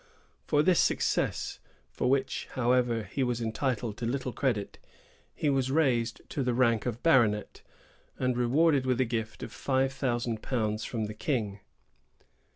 For this success, for which however he was entitled to little credit, he was raised to the rank of baronet, and rewarded with a gift of five thousand pounds from the king.